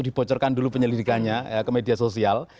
dibocorkan dulu penyelidikannya ke media sosial